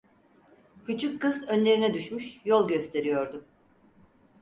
Küçük kız önlerine düşmüş, yol gösteriyordu.